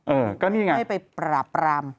เออก็นี่ไงให้ไปปราบปราม